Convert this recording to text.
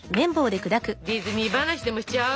ディズニー話でもしちゃう？